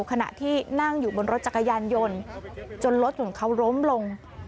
ขณะที่นั่งอยู่บนรถจักรยานยนต์จนรถของเขาล้มลง